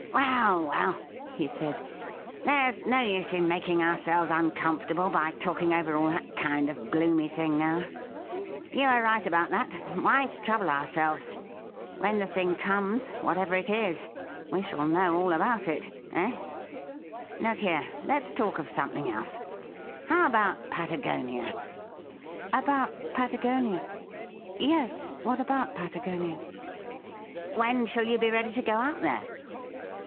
' Well, well,' he said, ' there's no use in making ourselves uncomfortable by talking over all that kind of gloomy thing now. You are right about that — why trouble our selves ? When the thing comes, whatever it is, we shall know all about it, eh ? Look here, let's talk of something else. How about Patagonia .?'' About Patagonia ? Yes, what about Patagonia ?'' When shall you be ready to go out there